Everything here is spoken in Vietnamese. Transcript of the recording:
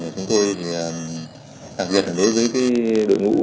chúng tôi đặc biệt đối với đội ngũ